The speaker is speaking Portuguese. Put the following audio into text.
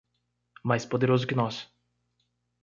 Mais poderoso que nós